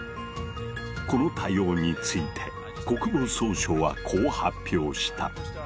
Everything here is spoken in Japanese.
この対応について国防総省はこう発表した。